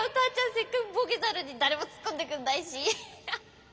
せっかくボケたのに誰も突っ込んでくんないし。